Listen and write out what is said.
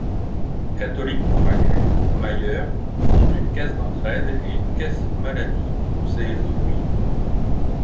Catholique convaincu, Mayer fonde une caisse d'entraide et une caisse-maladie pour ses ouvriers.